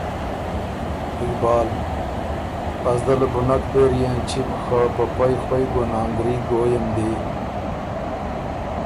اقبال: از ده له بو نک پېری ا ېنچِم خه په پئ خوئ ګنانګري ګوی م دی